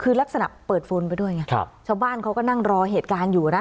คือลักษณะเปิดโฟนไปด้วยไงครับชาวบ้านเขาก็นั่งรอเหตุการณ์อยู่นะ